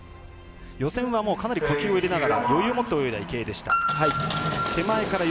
予選は、かなり呼吸を入れながら余裕を持って泳いだ池江でした。